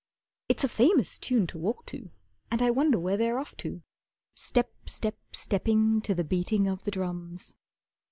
It's a famous tune to walk to, And I wonder where they're off to. Step step stepping to the beating of the drums.